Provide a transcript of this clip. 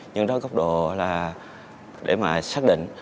những cái góc độ là để mà xác định